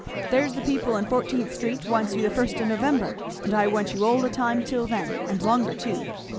There's the people in Fourteenth street wants you the first of November and I want you all the time till then, and longer too.